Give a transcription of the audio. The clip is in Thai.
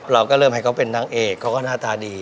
เราก็เริ่มให้เขาเป็นนางเอกเขาก็หน้าตาดี